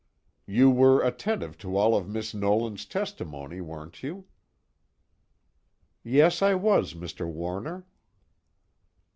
_ "You were attentive to all of Miss Nolan's testimony, weren't you?" "Yes, I was, Mr. Warner."